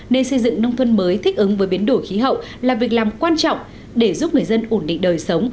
nên xây dựng nông thôn mới thích ứng với biến đổi khí hậu là việc làm quan trọng để giúp người dân ổn định đời sống